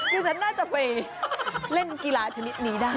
ที่ฉันน่าจะไปเล่นกีฬาชนิดนี้ได้